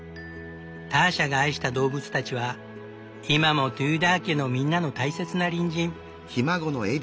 ターシャが愛した動物たちは今もテューダー家のみんなの大切な隣人。